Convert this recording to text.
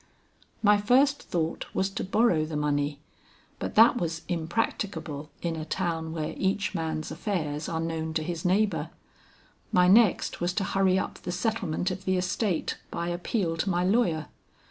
My first thought was to borrow the money, but that was impracticable in a town where each man's affairs are known to his neighbor. My next was to hurry up the settlement of the estate by appeal to my lawyer.